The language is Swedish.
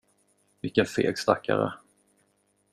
Vilken feg stackare.